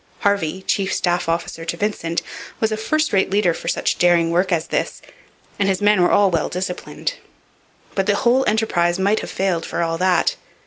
Harvey, chief staff officer to Vincent, was a first rate leader for such daring work as this, and his men were all well disciplined. But the whole enterprise might have failed, for all that.